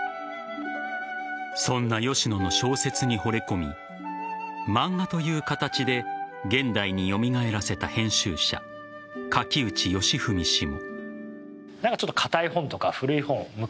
そんな吉野の小説にほれ込み漫画という形で現代に蘇らせた編集者柿内芳文氏も。